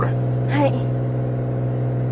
はい。